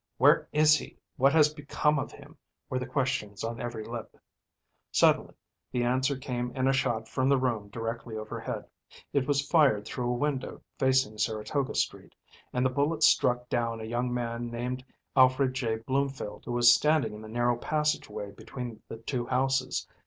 "Where is he?" "What has become of him?" were the questions on every lip. Suddenly the answer came in a shot from the room directly overhead. It was fired through a window facing Saratoga Street, and the bullet struck down a young man named Alfred J. Bloomfield, who was standing in the narrow passage way between the two houses.